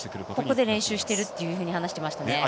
ここで練習していると話していました。